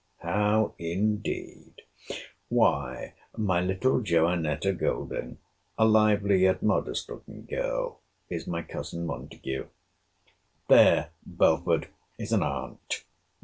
How indeed! Why, my little Johanetta Golding, a lively, yet modest looking girl, is my cousin Montague. There, Belford, is an aunt!